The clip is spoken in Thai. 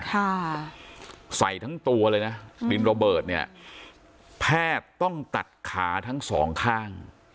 ค่ะใส่ทั้งตัวเลยนะดินระเบิดเนี่ยแพทย์ต้องตัดขาทั้งสองข้าง